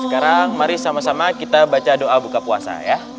sekarang mari sama sama kita baca doa buka puasa ya